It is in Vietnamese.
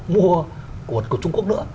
mua cổ vật của trung quốc nữa